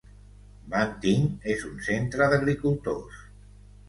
Banting és un centre d'agricultors.